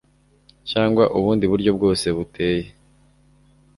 cyangwa ubundi buryo bwose buteye